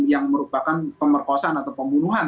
yang merupakan pemerkosaan atau pembunuhan